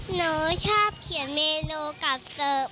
หนูชอบเขียนเมนูกับเสิร์ฟ